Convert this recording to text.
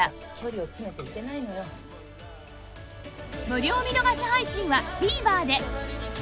無料見逃し配信は ＴＶｅｒ で